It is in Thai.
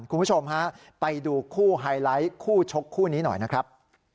คุณผู้ชมฮะไปดูคู่ไฮไลท์คู่ชกคู่นี้หน่อยนะครับ